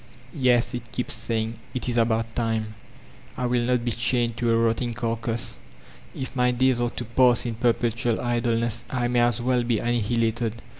— ^'•Yes," it keeps saying, "it is about time ! I will not be chained to a rotting carcass. If my days are to pass in per pettul idleness I may as well be annihilated.